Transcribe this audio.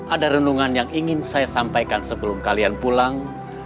ada renungan yang ingin saya sampaikan sebelum kalian pulang